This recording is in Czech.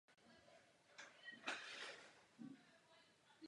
Zasedal také ve finančním výboru.